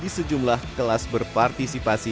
di sejumlah kelas berpartisipasi